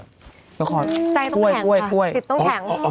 เจ้าขอนใจต้องแข็งค่ะจิตต้องแข็ง